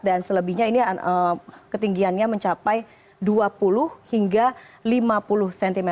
dan selebihnya ini ketinggiannya mencapai dua puluh hingga lima puluh cm